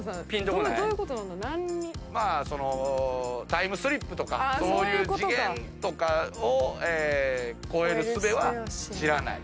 タイムスリップとかそういう次元とかを超えるすべは知らない。